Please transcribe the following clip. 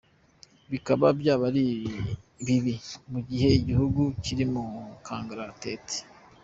Bikaba byaba ari bibi mu gihe igihugu kiri mu kangaratete.